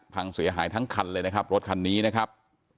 พังเสียหายทั้งคันเลยนะครับรถคันนี้นะครับ